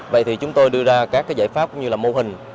vậy thì chúng tôi đưa ra các giải pháp cũng như là mô hình